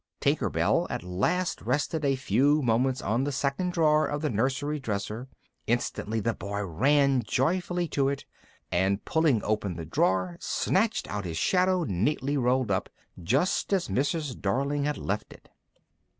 Tinker Bell at last rested a few moments on the second drawer of the nursery dresser; instantly the boy ran joyfully to it, and pulling open the drawer snatched out his shadow neatly rolled up, just as Mrs. Darling had left it.